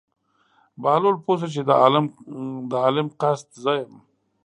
بهلول پوه شو چې د عالم قصد زه یم.